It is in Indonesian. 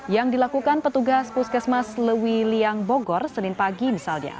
yang dilakukan petugas puskesmas lewi liang bogor senin pagi misalnya